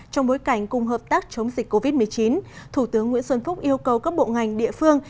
trong bối cảnh cùng hợp tác chống dịch covid một mươi chín thủ tướng nguyễn xuân phúc yêu cầu các bộ ngành địa phương